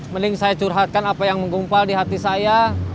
mending saya curhatkan apa yang menggumpal di hati saya